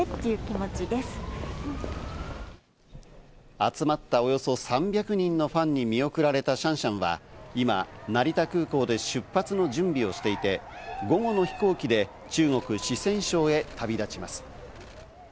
集まったおよそ３００人のファンに見送られたシャンシャンは今、成田空港で出発の準備をしていて午後の飛行機で中国・四川省へ旅立ちます。